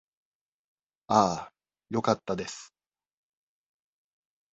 ああ、よかったです。